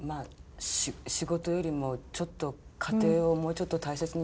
仕事よりもちょっと家庭をもうちょっと大切にしたいっていう。